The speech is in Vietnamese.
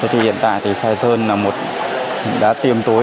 hiện tại thì sài sơn đã tiêm tối